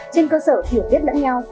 trên cơ sở hiểu biết lẫn nhau